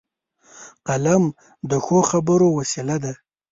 قلم د ښو خبرو وسیله ده